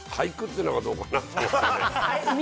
俳句っていうのはどうかなと思うんだよ。